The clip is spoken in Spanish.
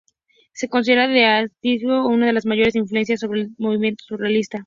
Se considera a De Chirico una de las mayores influencias sobre el movimiento surrealista.